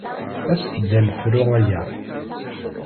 Aset-d ad nefru aya!